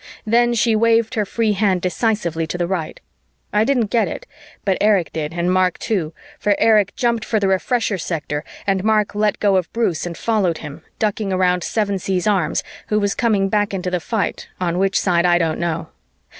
Then she waved her free hand decisively to the right. I didn't get it, but Erich did and Mark too, for Erich jumped for the Refresher sector and Mark let go of Bruce and followed him, ducking around Sevensee's arms, who was coming back into the fight on which side I don't know.